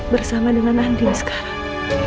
bersama dengan andien sekarang